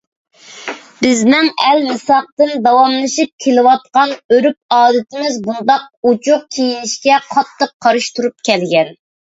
بىزنىڭ ئەلمىساقتىن داۋاملىشىپ كېلىۋاتقان ئۆرپ-ئادىتىمىز بۇنداق ئوچۇق كىيىنىشكە قاتتىق قارشى تۇرۇپ كەلگەن.